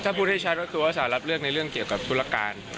ถ้าพูดให้ชัดก็คือว่าสารรับเลือกในเรื่องเกี่ยวกับธุรการ